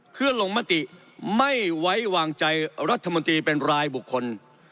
เพื่อลงมติไม่ไว้วางใจรัฐมนตรีเป็นรายบุคคล